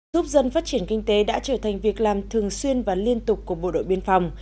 giúp dân phát triển kinh tế đã trở thành việc làm thường xuyên và liên tục của bộ đội biên phòng